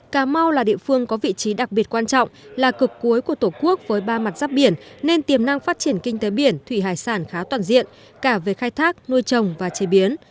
cà mau là địa phương có vị trí đặc biệt quan trọng là cực cuối của tổ quốc với ba mặt giáp biển nên tiềm năng phát triển kinh tế biển thủy hải sản khá toàn diện cả về khai thác nuôi trồng và chế biến